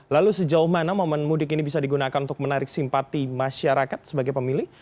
lalu sejauh mana momen mudik ini bisa digunakan untuk menarik simpati masyarakat sebagai pemilih